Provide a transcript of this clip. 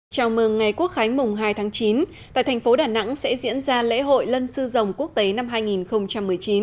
chào mừng ngày quốc khánh mùng hai tháng chín tại thành phố đà nẵng sẽ diễn ra lễ hội lân sư dòng quốc tế năm hai nghìn một mươi chín